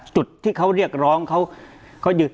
จุดที่เขาเรียกร้องเขายืน